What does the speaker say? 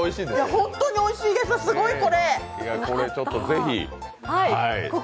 ホントにおいしいです、すごいこれ！